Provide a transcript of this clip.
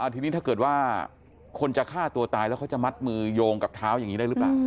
ทีนี้ถ้าเกิดว่าคนจะฆ่าตัวตายแล้วเขาจะมัดมือโยงกับเท้าอย่างนี้ได้หรือเปล่า